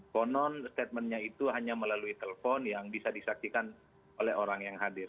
konon statementnya itu hanya melalui telepon yang bisa disaksikan oleh orang yang hadir